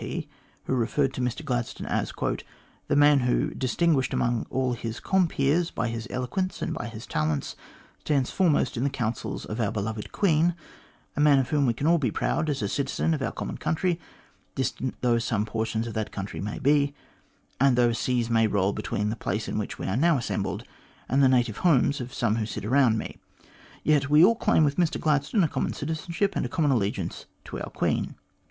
P., who referred to Mr Gladstone as " the man who, distinguished among all his compeers by his eloquence and by his talents, stands foremost in the councils of our beloved Queen; a man of whom we can all be proud as a citizen of our common country, distant though some portions of that country may be ; and though seas may roll between the place in which we are now assembled and the native homes of some who sit around me, yet we all claim with Mr Gladstone a common citizenship and a common allegiance to our Queen."